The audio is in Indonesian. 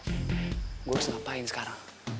gue harus ngapain sekarang